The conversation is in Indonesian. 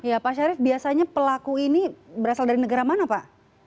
ya pak syarif biasanya pelaku ini berasal dari negara mana pak